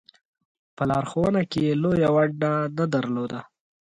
په لارښوونه کې یې لویه ونډه نه درلوده.